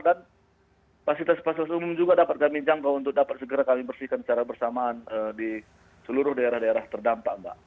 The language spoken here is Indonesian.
dan pasitas pasitas umum juga dapat kami jangkau untuk dapat kami bersihkan secara bersamaan di seluruh daerah daerah terdampak mbak